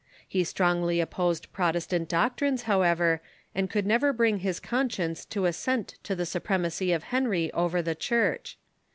He strongly opposed Protestant doctrines, however, and could never bring his conscience to assent to the suprem acy of Henry over the Church.